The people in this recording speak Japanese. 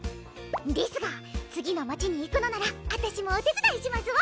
ですが次の街に行くのなら私もお手伝いしますわ。